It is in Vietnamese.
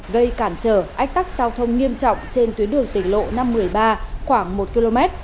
gây cản trở ách tắc giao thông nghiêm trọng trên tuyến đường tỉnh lộ năm mươi ba khoảng một km